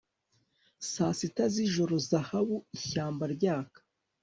saa sita zijoro zahabu ishyamba ryaka